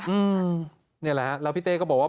อืมนี่แหละฮะแล้วพี่เต้ก็บอกว่า